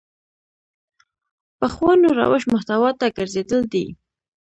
پخوانو روش محتوا ته ګرځېدل دي.